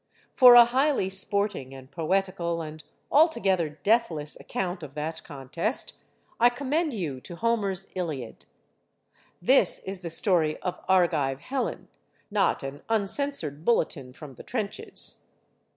For a highly sporting and poetical and altogether deathless account of that contest, I commend you to Homer's "Iliad." This is the story of Argive Helen, not an uncensored bulletin from the trenches.